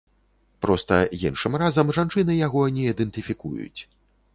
Проста іншым разам жанчыны яго не ідэнтыфікуюць.